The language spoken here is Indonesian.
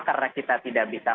karena kita tidak bisa